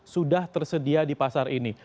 sudah tersedia di pasar ini